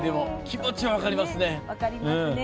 気持ちは分かりますね。